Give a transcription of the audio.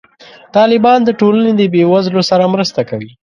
طالبان د ټولنې د بې وزلو سره مرسته کوي.